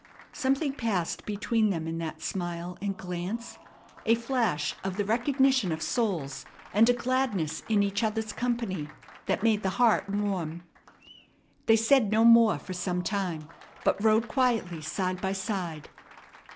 Something passed between them in that smile and glance, a flash of the recognition of souls, and a gladness in each other's company, that made the heart warm. They said no more for some time, but rode quietly side by side.